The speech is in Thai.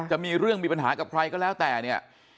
จะมีเรื่องมีปัญหากับใครก็แล้วแต่เนี่ย